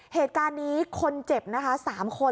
เหตุการณ์นี้คนเจ็บนะคะ๓คน